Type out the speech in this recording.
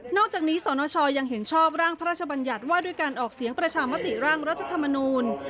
อกจากนี้สนชยังเห็นชอบร่างพระราชบัญญัติว่าด้วยการออกเสียงประชามติร่างรัฐธรรมนูล